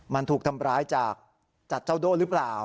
มันถูกทำร้ายจากจัดเจ้าโด่หรือเปล่า